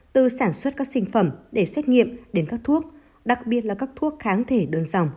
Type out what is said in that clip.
từ sản xuất các sinh phẩm để xét nghiệm đến các thuốc đặc biệt là các thuốc kháng thể đơn dòng